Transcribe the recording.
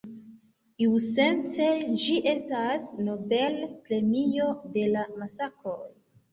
Iusence ĝi estas Nobel-premio de la masakroj.